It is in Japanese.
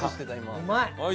うまい！